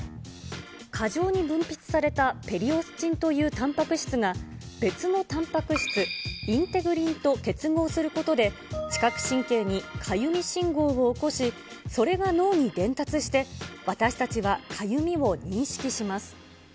過剰に分泌されたペリオスチンというたんぱく質が、別のたんぱく質、インテグリンと結合することで、知覚神経にかゆみ信号を起こし、それが脳に伝達して、私たちはかゆみを認識します。